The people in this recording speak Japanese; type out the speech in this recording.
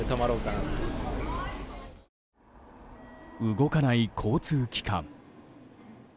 動かない交通機関。